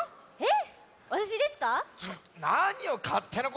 えっ！？